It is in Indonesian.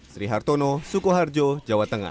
sri hartono sukoharjo jawa tengah